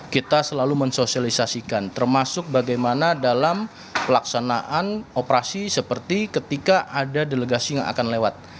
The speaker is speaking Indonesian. kita selalu mensosialisasikan termasuk bagaimana dalam pelaksanaan operasi seperti ketika ada delegasi yang akan lewat